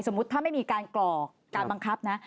ถ้าไม่มีการกรอกการบังคับนะ